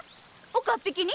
岡っ引きに？